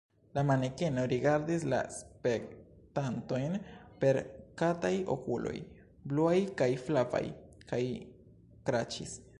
La manekeno rigardis la spektantojn per kataj okuloj, bluaj kaj flavaj, kaj kraĉis.